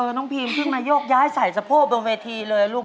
น้องพีมขึ้นมาโยกย้ายใส่สะโพกบนเวทีเลยลูก